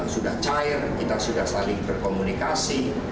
sudah cair kita sudah saling berkomunikasi